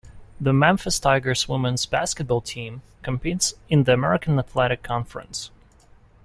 The Memphis Tigers women's basketball team competes in the American Athletic Conference.